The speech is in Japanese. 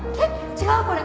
違うこれ。